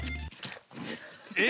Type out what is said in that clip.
え！